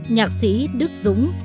nhạc sĩ đức dũng